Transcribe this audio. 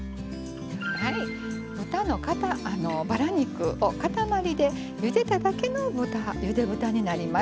豚のバラ肉を塊でゆでただけのゆで豚になります。